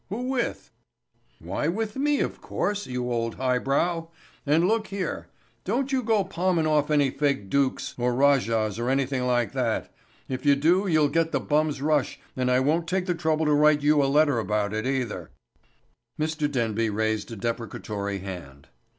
Who with?" "Why with me, of course, you old highbrow. And look here. Don't you go palmin' off any fake dukes or rajahs or anythin' like that. If you do you'll get the bum's rush and I won't take the trouble to write you a letter about it, either." Mr. Denby raised a deprecatory hand.